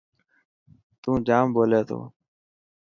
تون جام ٻولي تو.